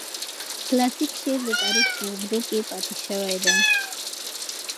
کلاسیک شعر د تاریخ په اوږدو کې پاتې شوی دی.